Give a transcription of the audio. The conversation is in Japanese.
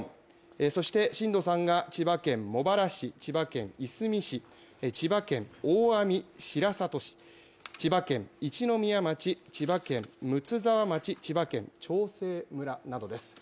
そして震度３が千葉県茂原市、千葉県いすみ市千葉県大網白里市、千葉県一宮町、千葉県睦沢町、千葉県長生村などです。